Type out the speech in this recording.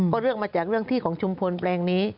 ก็เรื่องมาจากเรื่องที่ของชุมพลแปลงนี้